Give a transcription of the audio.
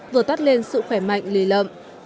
vừa tắt lên sự khỏe mạnh lì lợm